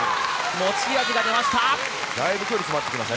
持ち味が出ました。